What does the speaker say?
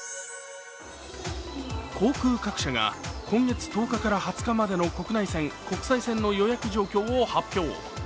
航空各社が今月１０日から２０日までの国内線・国際線の予約状況を発表。